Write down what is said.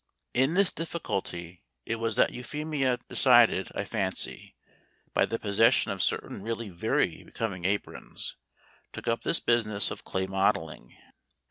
In this difficulty it was that Euphemia decided, I fancy, by the possession of certain really very becoming aprons took up this business of clay modelling.